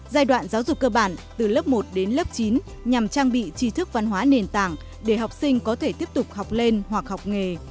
giai đoạn giáo dục cơ bản từ lớp một đến lớp chín nhằm trang bị tri thức văn hóa nền tảng để học sinh có thể tiếp tục học lên hoặc học nghề